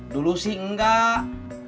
dulu sih enggak